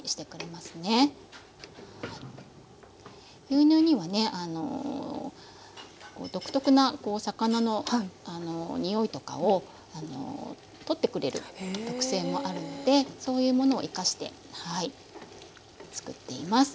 牛乳にはね独特な魚のにおいとかをとってくれる特性もあるのでそういうものを生かして作っています。